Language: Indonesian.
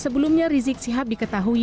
sebelumnya rizik sihab diketahui